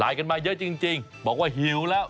กันมาเยอะจริงบอกว่าหิวแล้ว